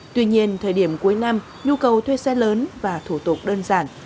tuy nhiên thời điểm cuối năm nhu cầu thuê xe lớn và thủ tục đơn giản